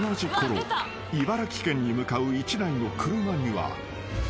茨城県に向かう一台の車には］